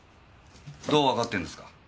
どうわかってんですか。